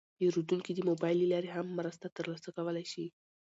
پیرودونکي د موبایل له لارې هم مرسته ترلاسه کولی شي.